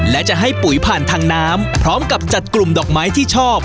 และจะให้ปุ๋ยผ่านทางน้ำพร้อมกับจัดกลุ่มดอกไม้ที่ชอบ